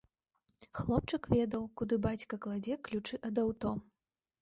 Хлопчык ведаў, куды бацька кладзе ключы ад аўто.